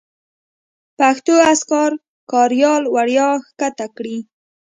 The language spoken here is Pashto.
پښتو اذکار کاریال وړیا کښته کړئ